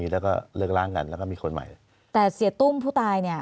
แล้วก็เลิกร่างกันแล้วก็มีคนใหม่แต่เสียตุ้มผู้ตายเนี่ย